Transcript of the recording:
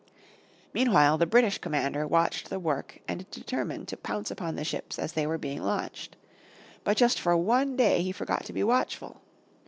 Meanwhile the British commander watched the work and determined to pounce upon the ships as they were being launched. But just for one day he forgot to be watchful.